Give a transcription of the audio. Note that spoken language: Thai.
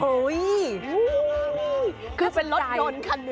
คือเป็นรถยนต์คันหนึ่ง